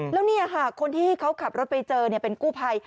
แล้วค่ะคนที่เขากลับรถไปเจอเนี่ยเป็นกู้ภัย